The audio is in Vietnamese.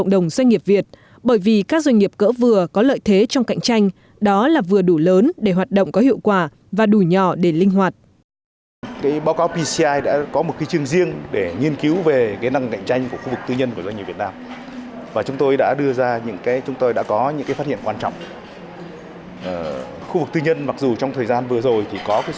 nhưng đáng lo ngại hơn là ngay cả doanh nghiệp cỡ vừa cũng có tầm cỡ